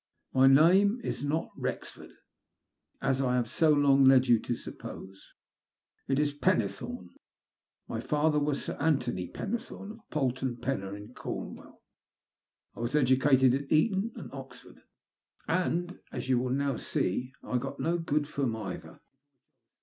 My name is net WrojLford, as I have so long led you to suppose. It is Pennethome. My father was Sir Anthony Penne thome, of Polton Penna, in Cornwall. I was educated at Eton and Oxford ; and, as you will now see, I got no good from either.